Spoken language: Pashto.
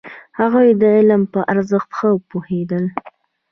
هغوی د علم په ارزښت ښه پوهېدل.